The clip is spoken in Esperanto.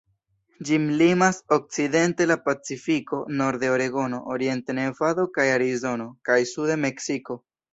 Ĝin limas okcidente la Pacifiko, norde Oregono, oriente Nevado kaj Arizono, kaj sude Meksiko.